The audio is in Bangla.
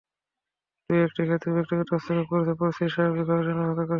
দু-একটি ক্ষেত্রে ব্যক্তিগত হস্তক্ষেপ করেছেন, পরিস্থিতি স্বাভাবিক হওয়ার জন্য অপেক্ষা করছিলেন।